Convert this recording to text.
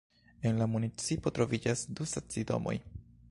En la municipo troviĝas du stacidomoj.